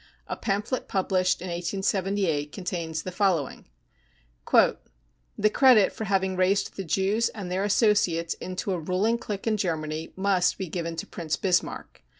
A pamphlet published in 1878 contains the following :" The credit for having raised the Jews and their asso ciates into a ruling clique in Germany must hg given to Prince Bismarck.